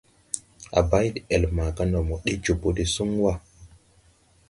A bay de-ɛl maaga ndɔ mo ɗee jobo de suŋ wà.